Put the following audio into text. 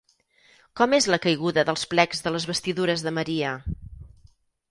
Com és la caiguda dels plecs de les vestidures de Maria?